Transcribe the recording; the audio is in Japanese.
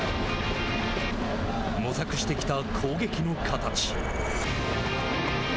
模索してきた攻撃の形。